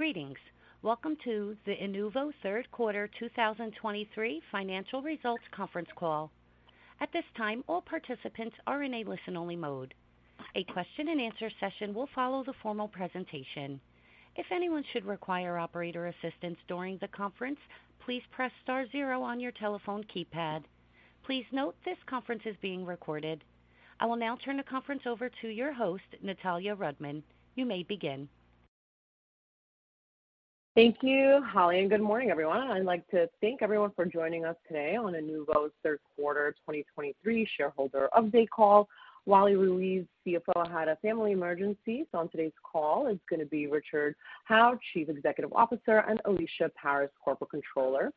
Greetings! Welcome to the Inuvo Third Quarter 2023 Financial Results Conference Call. At this time, all participants are in a listen-only mode. A question-and-answer session will follow the formal presentation. If anyone should require operator assistance during the conference, please press star zero on your telephone keypad. Please note, this conference is being recorded. I will now turn the conference over to your host, Natalya Rudman. You may begin. Thank you, Holly, and good morning, everyone. I'd like to thank everyone for joining us today on Inuvo's third quarter 2023 shareholder update call. While our CFO had a family emergency, so on today's call, it's gonna be Richard Howe, Chief Executive Officer, and Aleesha Parris, Corporate Controller.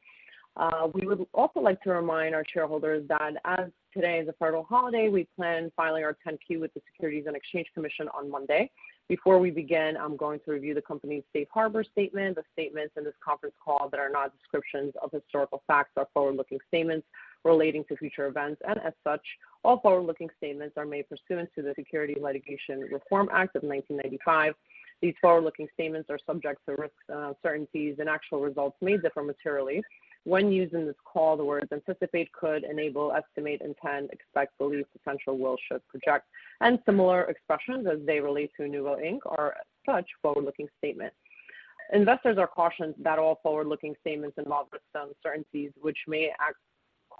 We would also like to remind our shareholders that as today is a federal holiday, we plan filing our 10-Q with the Securities and Exchange Commission on Monday. Before we begin, I'm going to review the company's safe harbor statement. The statements in this conference call that are not descriptions of historical facts are forward-looking statements relating to future events, and as such, all forward-looking statements are made pursuant to the Securities Litigation Reform Act of 1995. These forward-looking statements are subject to risks, uncertainties, and actual results may differ materially. When using this call, the words anticipate, could, enable, estimate, intend, expect, believe, potential, will, should, project, and similar expressions, as they relate to Inuvo Inc, are such forward-looking statements. Investors are cautioned that all forward-looking statements involve certain uncertainties, which may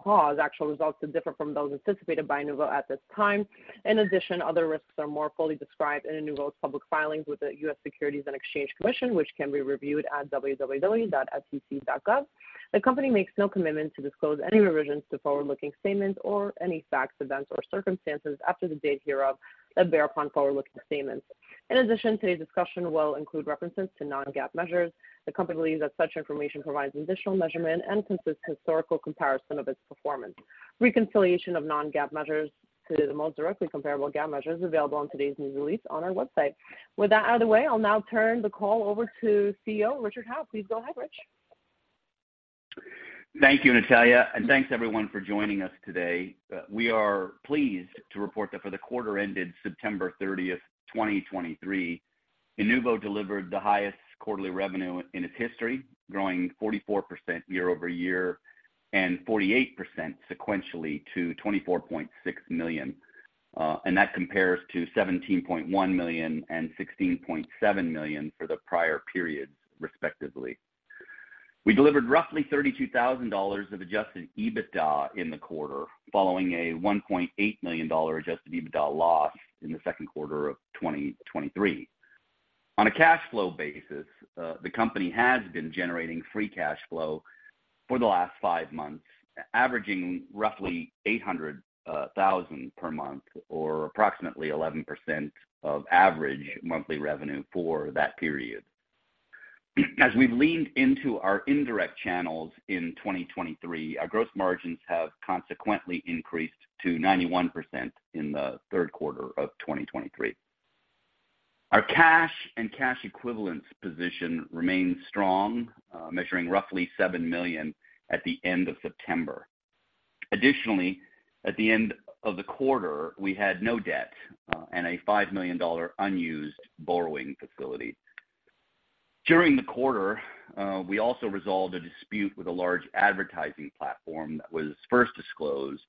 cause actual results to differ from those anticipated by Inuvo at this time. In addition, other risks are more fully described in Inuvo's public filings with the U.S. Securities and Exchange Commission, which can be reviewed at www.sec.gov. The company makes no commitment to disclose any revisions to forward-looking statements or any facts, events, or circumstances after the date hereof that bear upon forward-looking statements. In addition, today's discussion will include references to non-GAAP measures. The company believes that such information provides additional measurement and consistent historical comparison of its performance. Reconciliation of non-GAAP measures to the most directly comparable GAAP measure is available on today's news release on our website. With that out of the way, I'll now turn the call over to CEO, Richard Howe. Please go ahead, Rich. Thank you, Natalya, and thanks to everyone for joining us today. We are pleased to report that for the quarter ended September 30th, 2023, Inuvo delivered the highest quarterly revenue in its history, growing 44% year-over-year and 48% sequentially to $24.6 million. And that compares to $17.1 million and $16.7 million for the prior periods, respectively. We delivered roughly $32,000 of Adjusted EBITDA in the quarter, following a $1.8 million Adjusted EBITDA loss in the second quarter of 2023. On a cash flow basis, the company has been generating free cash flow for the last five months, averaging roughly $800,000 per month or approximately 11% of average monthly revenue for that period. As we've leaned into our indirect channels in 2023, our gross margins have consequently increased to 91% in the third quarter of 2023. Our cash and cash equivalence position remains strong, measuring roughly $7 million at the end of September. Additionally, at the end of the quarter, we had no debt, and a $5 million unused borrowing facility. During the quarter, we also resolved a dispute with a large advertising platform that was first disclosed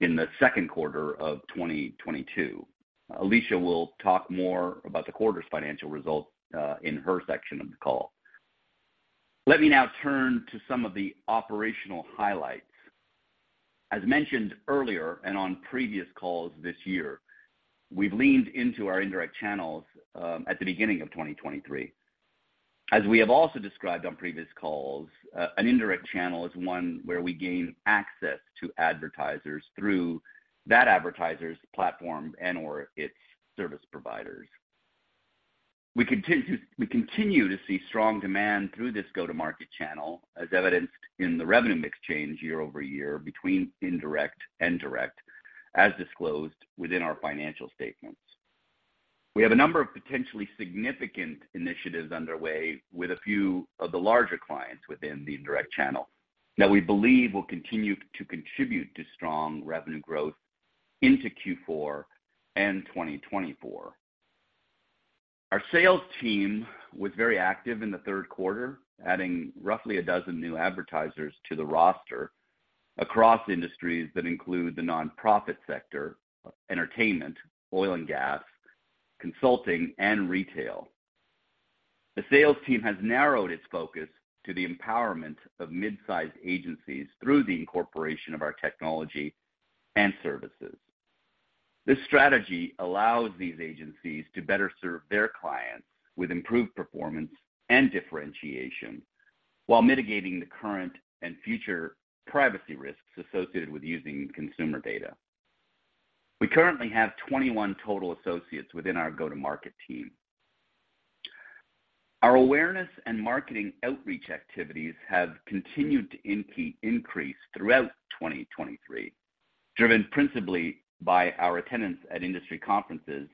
in the second quarter of 2022. Aleesha will talk more about the quarter's financial results, in her section of the call. Let me now turn to some of the operational highlights. As mentioned earlier and on previous calls this year, we've leaned into our indirect channels, at the beginning of 2023. As we have also described on previous calls, an indirect channel is one where we gain access to advertisers through that advertiser's platform and/or its service providers. We continue to see strong demand through this go-to-market channel, as evidenced in the revenue mix change year-over-year between indirect and direct, as disclosed within our financial statements. We have a number of potentially significant initiatives underway with a few of the larger clients within the indirect channel that we believe will continue to contribute to strong revenue growth into Q4 and 2024. Our sales team was very active in the third quarter, adding roughly a dozen new advertisers to the roster across industries that include the nonprofit sector, entertainment, oil and gas, consulting, and retail. The sales team has narrowed its focus to the empowerment of mid-sized agencies through the incorporation of our technology and services. This strategy allows these agencies to better serve their clients with improved performance and differentiation while mitigating the current and future privacy risks associated with using consumer data. We currently have 21 total associates within our go-to-market team. Our awareness and marketing outreach activities have continued to increase throughout 2023, driven principally by our attendance at industry conferences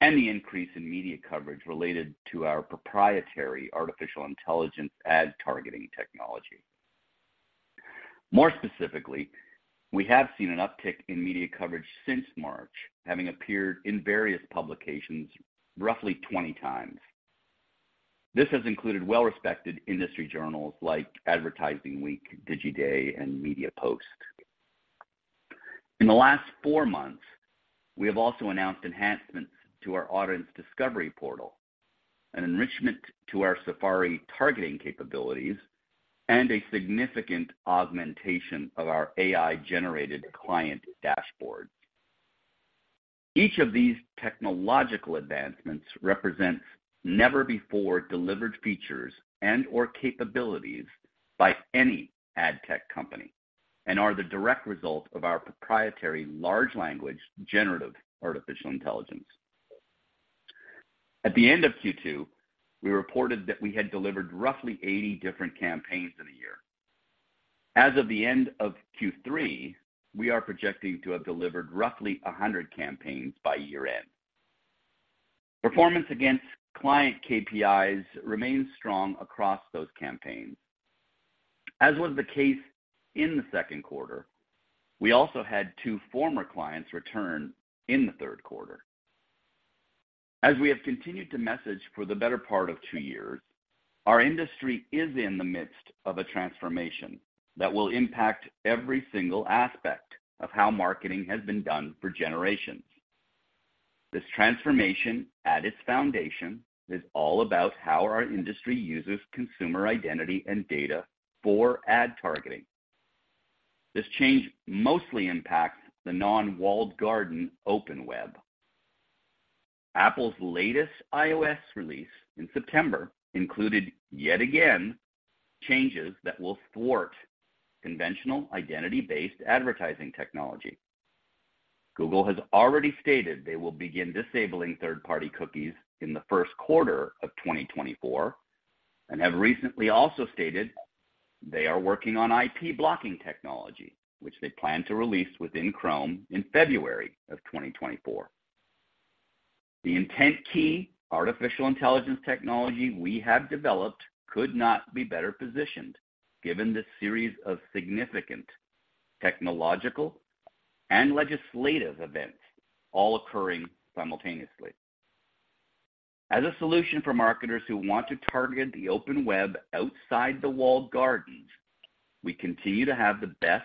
and the increase in media coverage related to our proprietary artificial intelligence ad targeting technology. More specifically, we have seen an uptick in media coverage since March, having appeared in various publications roughly 20 times. This has included well-respected industry journals like Advertising Week, Digiday, and MediaPost. In the last four months, we have also announced enhancements to our Audience Discovery Portal, an enrichment to our Safari targeting capabilities, and a significant augmentation of our AI-generated client dashboard. Each of these technological advancements represents never before delivered features and/or capabilities by any ad tech company and are the direct result of our proprietary large language generative artificial intelligence. At the end of Q2, we reported that we had delivered roughly 80 different campaigns in a year. As of the end of Q3, we are projecting to have delivered roughly 100 campaigns by year-end. Performance against client KPIs remains strong across those campaigns. As was the case in the second quarter, we also had two former clients return in the third quarter. As we have continued to message for the better part of two years, our industry is in the midst of a transformation that will impact every single aspect of how marketing has been done for generations. This transformation, at its foundation, is all about how our industry uses consumer identity and data for ad targeting. This change mostly impacts the non-Walled Garden Open Web. Apple's latest iOS release in September included, yet again, changes that will thwart conventional identity-based advertising technology. Google has already stated they will begin disabling third-party cookies in the first quarter of 2024, and have recently also stated they are working on IP blocking technology, which they plan to release within Chrome in February of 2024. The IntentKey artificial intelligence technology we have developed could not be better positioned given this series of significant technological and legislative events all occurring simultaneously. As a solution for marketers who want to target the Open Web outside the Walled Gardens, we continue to have the best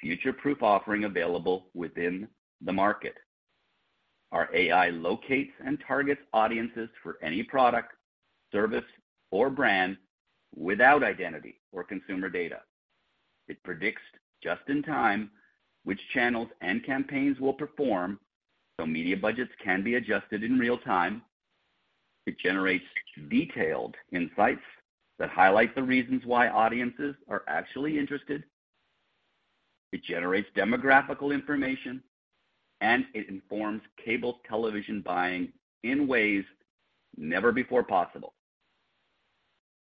future-proof offering available within the market. Our AI locates and targets audiences for any product, service, or brand without identity or consumer data. It predicts just in time which channels and campaigns will perform, so media budgets can be adjusted in real time. It generates detailed insights that highlight the reasons why audiences are actually interested. It generates demographical information, and it informs cable television buying in ways never before possible.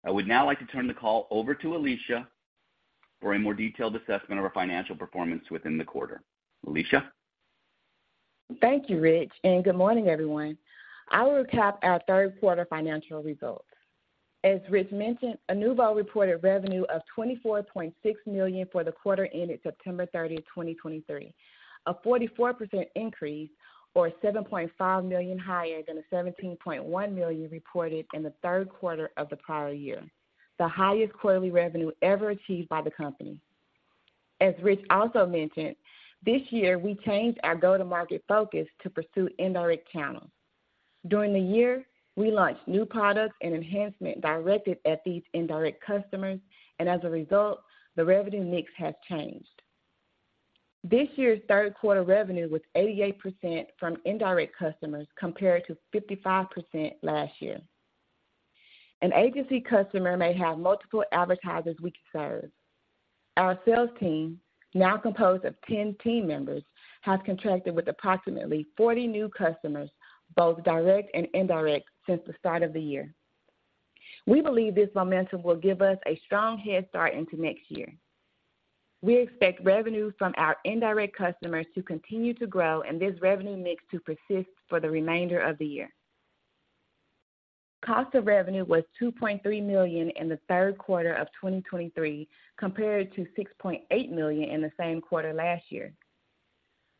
I would now like to turn the call over to Aleesha for a more detailed assessment of our financial performance within the quarter. Aleesha? Thank you, Rich, and good morning, everyone. I will recap our third quarter financial results. As Rich mentioned, Inuvo reported revenue of $24.6 million for the quarter ended September 30, 2023, a 44% increase or $7.5 million higher than the $17.1 million reported in the third quarter of the prior year, the highest quarterly revenue ever achieved by the company. As Rich also mentioned, this year we changed our go-to-market focus to pursue indirect channels. During the year, we launched new products and enhancements directed at these indirect customers, and as a result, the revenue mix has changed. This year's third quarter revenue was 88% from indirect customers, compared to 55% last year. An agency customer may have multiple advertisers we can serve. Our sales team, now composed of 10 team members, has contracted with approximately 40 new customers, both direct and indirect, since the start of the year. We believe this momentum will give us a strong head start into next year. We expect revenue from our indirect customers to continue to grow and this revenue mix to persist for the remainder of the year. Cost of revenue was $2.3 million in the third quarter of 2023, compared to $6.8 million in the same quarter last year.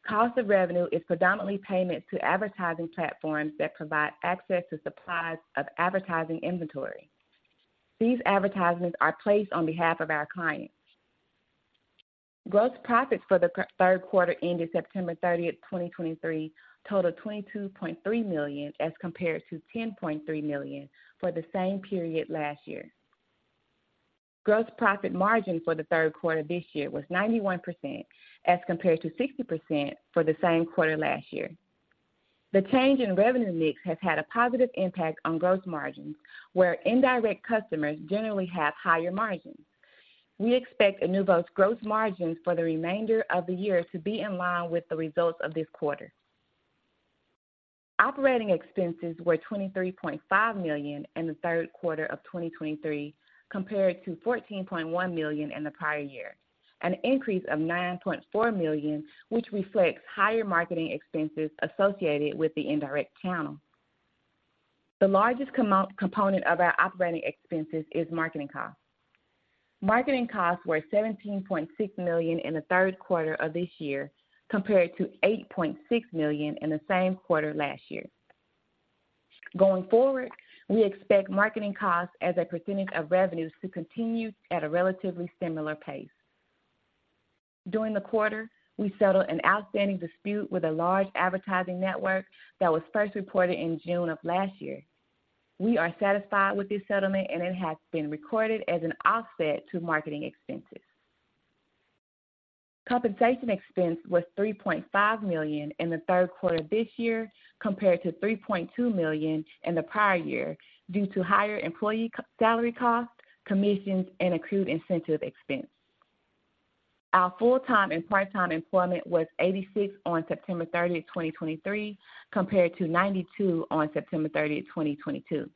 Cost of revenue is predominantly payment to advertising platforms that provide access to supplies of advertising inventory. These advertisements are placed on behalf of our clients. Gross profits for the third quarter ended September 30th, 2023, totaled $22.3 million, as compared to $10.3 million for the same period last year. Gross profit margin for the third quarter this year was 91%, as compared to 60% for the same quarter last year. The change in revenue mix has had a positive impact on gross margins, where indirect customers generally have higher margins. We expect Inuvo's gross margins for the remainder of the year to be in line with the results of this quarter. Operating expenses were $23.5 million in the third quarter of 2023, compared to $14.1 million in the prior year, an increase of $9.4 million, which reflects higher marketing expenses associated with the indirect channel.... The largest component of our operating expenses is marketing costs. Marketing costs were $17.6 million in the third quarter of this year, compared to $8.6 million in the same quarter last year. Going forward, we expect marketing costs as a percentage of revenues to continue at a relatively similar pace. During the quarter, we settled an outstanding dispute with a large advertising network that was first reported in June of last year. We are satisfied with this settlement, and it has been recorded as an offset to marketing expenses. Compensation expense was $3.5 million in the third quarter of this year, compared to $3.2 million in the prior year, due to higher employee salary costs, commissions, and accrued incentive expense. Our full-time and part-time employment was 86 on September 30, 2023, compared to 92 on September 30, 2022.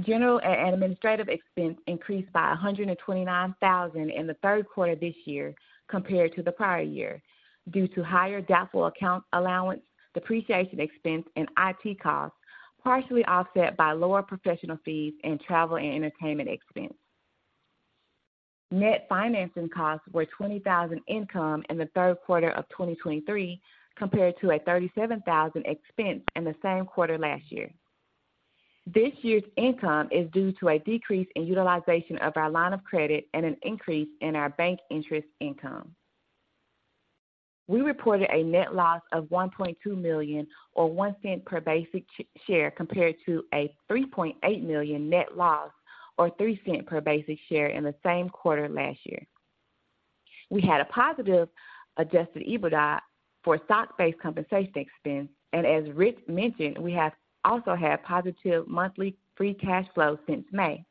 General and administrative expenses increased by $129,000 in the third quarter this year compared to the prior year, due to higher doubtful account allowance, depreciation expense, and IT costs, partially offset by lower professional fees and travel and entertainment expenses. Net financing costs were $20,000 income in the third quarter of 2023, compared to a $37,000 expense in the same quarter last year. This year's income is due to a decrease in utilization of our line of credit and an increase in our bank interest income. We reported a net loss of $1.2 million, or $0.1 per basic share, compared to a $3.8 million net loss, or $0.3 per basic share in the same quarter last year. We had a positive Adjusted EBITDA for stock-based compensation expense, and as Rich mentioned, we have also had positive monthly free cash flow since May.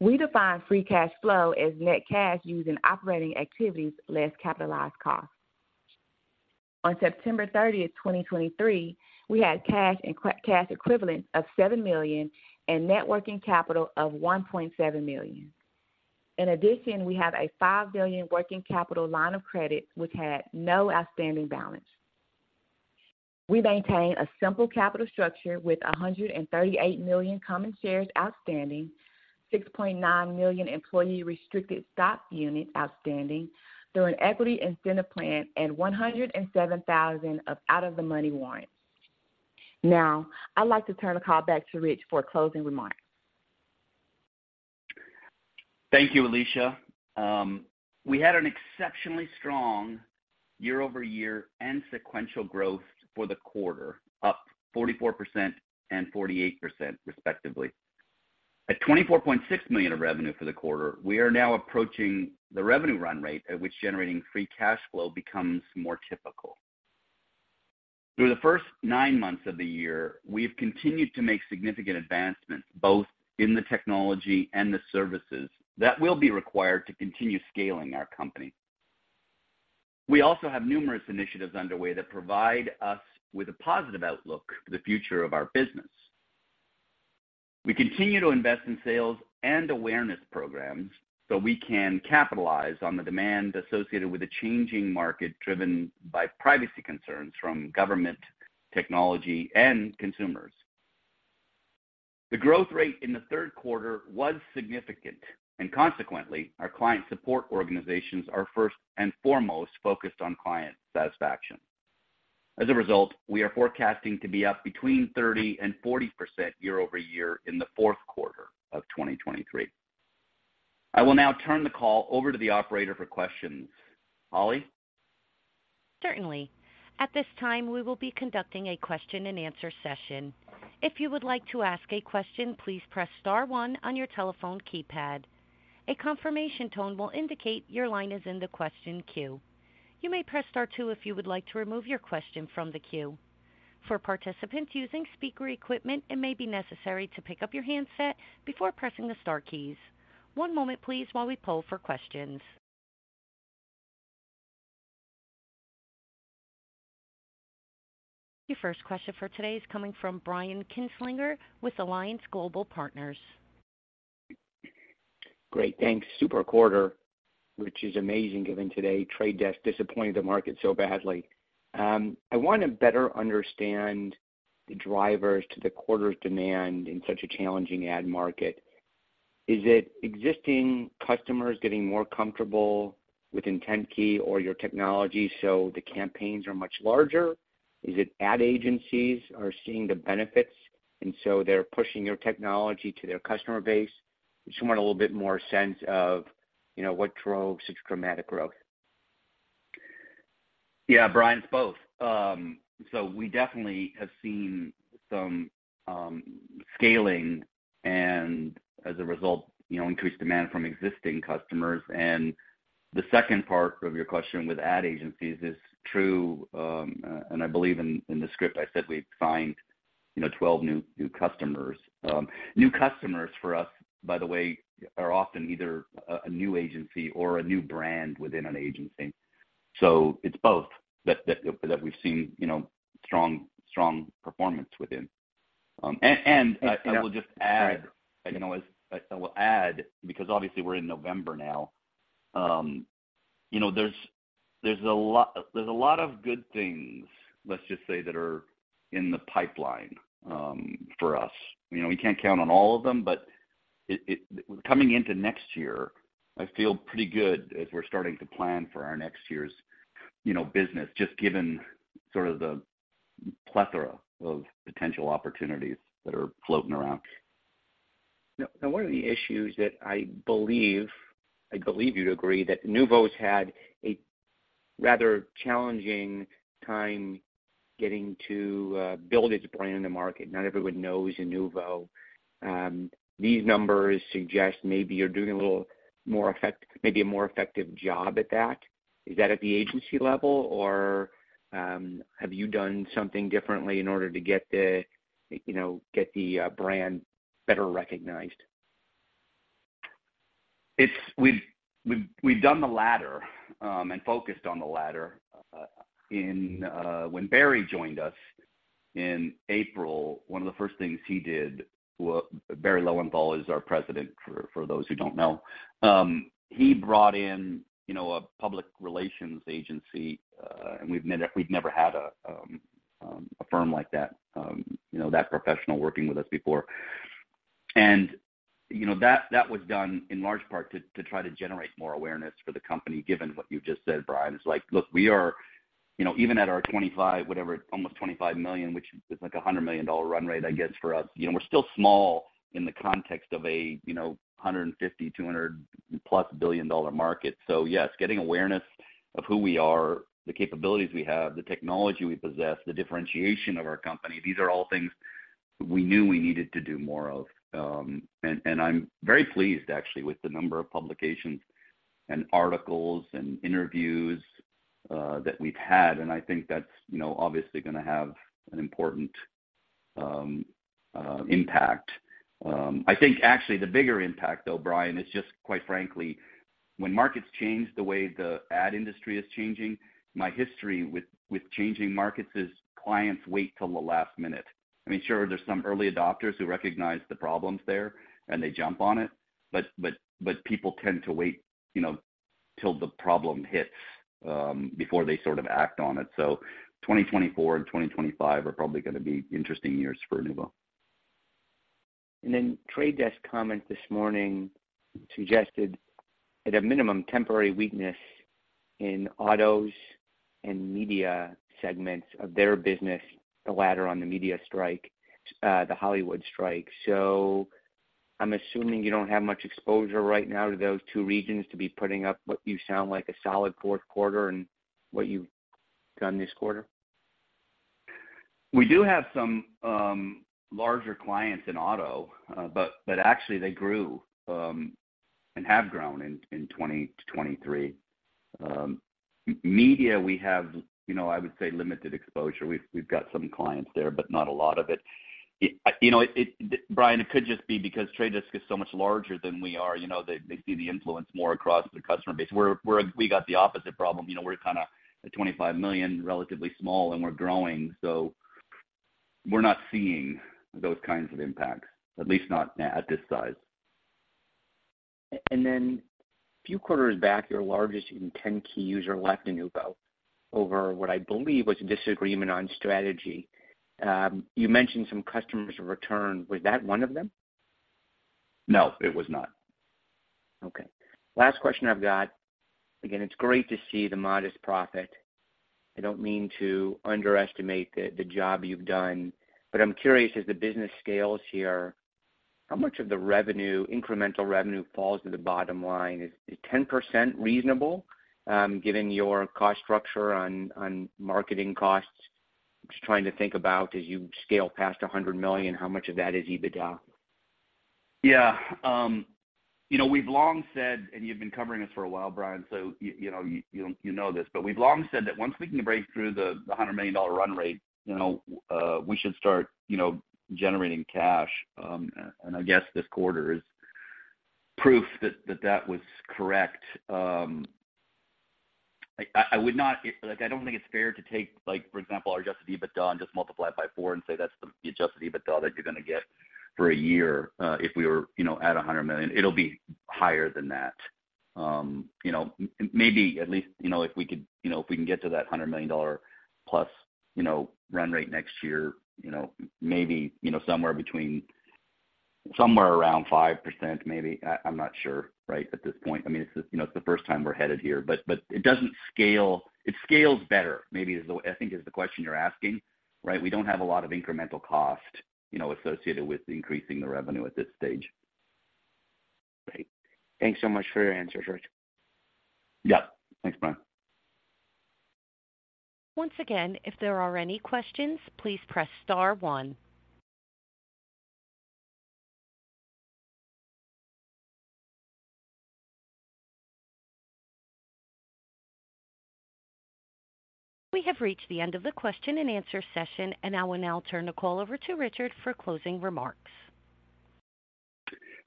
We define free cash flow as net cash used in operating activities less capitalized costs. On September 30, 2023, we had cash and cash equivalent of $7 million and net working capital of $1.7 million. In addition, we have a $5 billion working capital line of credit, which had no outstanding balance. We maintain a simple capital structure with 138 million common shares outstanding, 6.9 million employee restricted stock units outstanding through an equity incentive plan, and 107,000 of out-of-the-money warrants. Now, I'd like to turn the call back to Rich for closing remarks. Thank you, Aleesha. We had an exceptionally strong year-over-year and sequential growth for the quarter, up 44% and 48% respectively. At $24.6 million of revenue for the quarter, we are now approaching the revenue run rate at which generating free cash flow becomes more typical. Through the first nine months of the year, we've continued to make significant advancements, both in the technology and the services, that will be required to continue scaling our company. We also have numerous initiatives underway that provide us with a positive outlook for the future of our business. We continue to invest in sales and awareness programs, so we can capitalize on the demand associated with the changing market, driven by privacy concerns from government, technology, and consumers. The growth rate in the third quarter was significant, and consequently, our client support organizations are first and foremost focused on client satisfaction. As a result, we are forecasting to be up between 30% and 40% year-over-year in the fourth quarter of 2023. I will now turn the call over to the operator for questions. Holly? Certainly. At this time, we will be conducting a question-and-answer session. If you would like to ask a question, please press star one on your telephone keypad. A confirmation tone will indicate your line is in the question queue. You may press star two if you would like to remove your question from the queue. For participants using speaker equipment, it may be necessary to pick up your handset before pressing the star keys. One moment please while we poll for questions. Your first question for today is coming from Brian Kinstlinger with Alliance Global Partners. Great, thanks. Super quarter, which is amazing, given today The Trade Desk disappointed the market so badly. I want to better understand the drivers to the quarter's demand in such a challenging ad market. Is it existing customers getting more comfortable with IntentKey or your technology, so the campaigns are much larger? Is it ad agencies are seeing the benefits, and so they're pushing your technology to their customer base? I just want a little bit more sense of, you know, what drove such dramatic growth. Yeah, Brian, it's both. So we definitely have seen some scaling and as a result, you know, increased demand from existing customers. And the second part of your question with ad agencies is true, and I believe in the script I said we find, you know, 12 new, new customers. New customers for us, by the way, are often either a new agency or a new brand within an agency. So it's both that, that, that we've seen, you know, strong, strong performance within. And I will just add, I can always, I will add, because obviously we're in November now, you know, there's, there's a lot, there's a lot of good things, let's just say, that are in the pipeline for us. You know, we can't count on all of them, but it, coming into next year, I feel pretty good as we're starting to plan for our next year's, you know, business, just given sort of the plethora of potential opportunities that are floating around. Now, one of the issues that I believe, I believe you'd agree, that Inuvo's had a rather challenging time getting to build its brand in the market. Not everyone knows Inuvo. These numbers suggest maybe you're doing a little more, maybe a more effective job at that. Is that at the agency level, or have you done something differently in order to get the, you know, get the brand better recognized? We've done the latter and focused on the latter. When Barry joined us in April, one of the first things he did, well, Barry Lowenthal is our President, for those who don't know. He brought in, you know, a public relations agency, and we've never had a firm like that, you know, that professional working with us before. And, you know, that was done in large part to try to generate more awareness for the company, given what you've just said, Brian. It's like, look, we are, you know, even at our $25 million, whatever, almost $25 million, which is like a $100 million run rate, I guess, for us, you know, we're still small in the context of a, you know, $150 billion-$200+ billion market. So yes, getting awareness of who we are, the capabilities we have, the technology we possess, the differentiation of our company, these are all things we knew we needed to do more of. I'm very pleased, actually, with the number of publications and articles and interviews that we've had, and I think that's, you know, obviously gonna have an important impact. I think actually the bigger impact, though, Brian, is just, quite frankly, when markets change the way the ad industry is changing, my history with changing markets is clients wait till the last minute. I mean, sure, there's some early adopters who recognize the problems there, and they jump on it, but people tend to wait, you know, till the problem hits before they sort of act on it. 2024 and 2025 are probably gonna be interesting years for Inuvo. And then The Trade Desk comment this morning suggested, at a minimum, temporary weakness in autos and media segments of their business, the latter on the media strike, the Hollywood strike. So I'm assuming you don't have much exposure right now to those two regions to be putting up what you sound like, a solid fourth quarter and what you've done this quarter? We do have some larger clients in auto, but actually they grew and have grown in 2023. Media, we have, you know, I would say, limited exposure. We've got some clients there, but not a lot of it. It, you know, it, Brian, it could just be because The Trade Desk is so much larger than we are, you know, they see the influence more across the customer base. We got the opposite problem. You know, we're kind of at $25 million, relatively small, and we're growing, so we're not seeing those kinds of impacts, at least not at this size. And then a few quarters back, your largest IntentKey user left Inuvo over what I believe was a disagreement on strategy. You mentioned some customers returned. Was that one of them? No, it was not. Okay. Last question I've got. Again, it's great to see the modest profit. I don't mean to underestimate the job you've done, but I'm curious, as the business scales here, how much of the revenue, incremental revenue falls to the bottom line? Is 10% reasonable, given your cost structure on marketing costs? Just trying to think about as you scale past $100 million, how much of that is EBITDA? Yeah, you know, we've long said, and you've been covering us for a while, Brian, so you know, you know this, but we've long said that once we can break through the $100 million run rate, you know, we should start, you know, generating cash, and I guess this quarter is proof that that was correct. I would not... Like, I don't think it's fair to take, like, for example, our Adjusted EBITDA and just multiply it by four and say that's the Adjusted EBITDA that you're gonna get for a year, if we were, you know, at a $100 million. It'll be higher than that. Maybe at least, you know, if we could, you know, if we can get to that $100 million+, you know, run rate next year, you know, maybe, you know, somewhere between, somewhere around 5%, maybe. I'm not sure, right, at this point. I mean, it's, you know, it's the first time we're headed here. But it doesn't scale, it scales better, maybe is the way, I think is the question you're asking, right? We don't have a lot of incremental cost, you know, associated with increasing the revenue at this stage. Great. Thanks so much for your answers, Rich. Yep. Thanks, Brian. Once again, if there are any questions, please press star one. We have reached the end of the question-and-answer session, and I will now turn the call over to Richard for closing remarks.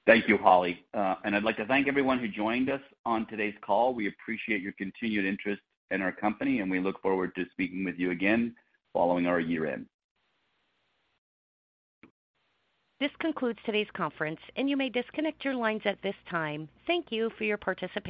Thank you, Holly. I'd like to thank everyone who joined us on today's call. We appreciate your continued interest in our company, and we look forward to speaking with you again following our year-end. This concludes today's conference, and you may disconnect your lines at this time. Thank you for your participation.